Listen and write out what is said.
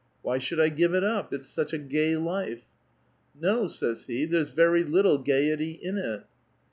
' Why should I give it up ? It's such a gay life.' ' No,' says he, ' there's very little gayety in it.